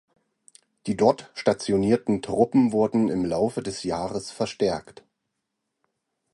Die dort stationierten Truppen wurden im Laufe des Jahres verstärkt.